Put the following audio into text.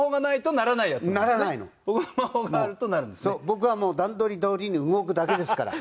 僕はもう段取りどおりに動くだけですから。